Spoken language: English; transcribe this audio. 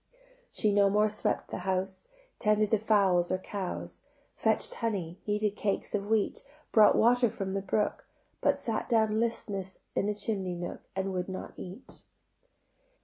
She no more swept the house, Tended the fowls or cows, Fetch'd honey, kneaded cakes of wheat, Brought water from the brook: But sat down listless in the chimney nook And would not eat.